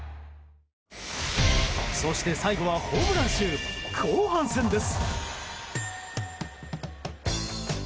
そして最後はホームラン集後半戦です。